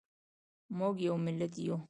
موږ یو ملت یو